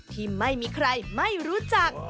ที่ไม่มีใครไม่รู้จัก